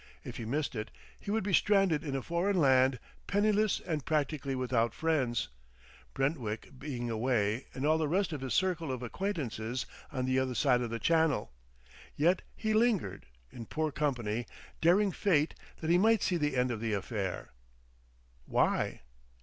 If he missed it, he would be stranded in a foreign land, penniless and practically without friends Brentwick being away and all the rest of his circle of acquaintances on the other side of the Channel. Yet he lingered, in poor company, daring fate that he might see the end of the affair. Why?